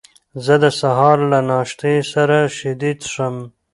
زه د سهار له ناشتې سره شیدې څښم.